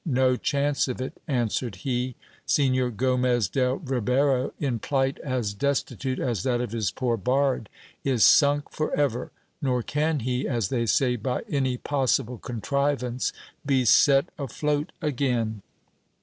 No chance of it, answered he : Signor Gomez del Ribero, in plight as destitute as that of his poor bard, is sunk for ever; nor can he, as they say, by any possible contrivance be set afloat again.